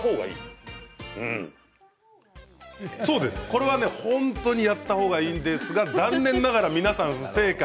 これはね、本当にやったほうがいいんですが残念ながら皆さん不正解。